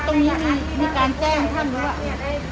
ตรงนี้มีการแจ้งให้ท่านไหมว่า